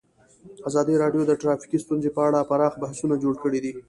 ازادي راډیو د ټرافیکي ستونزې په اړه پراخ بحثونه جوړ کړي.